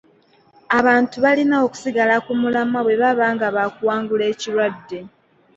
Abantu balina okusigala ku mulamwa bwe baba nga bakuwangula ekirwadde.